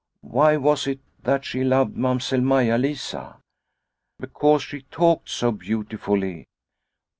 Why was it that she loved Mamsell Maia Lisa ?" Because she talked so beautifully."